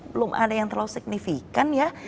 belum ada yang terlalu signifikan ya